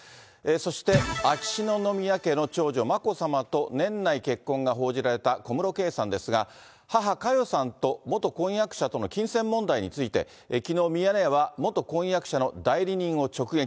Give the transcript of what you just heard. そして、秋篠宮家の長女、眞子さまと年内結婚が報じられた小室圭さんですが、母、佳代さんと元婚約者との金銭問題について、きのうミヤネ屋は、元婚約者の代理人を直撃。